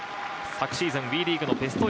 昨シーズンＷＥリーグのベスト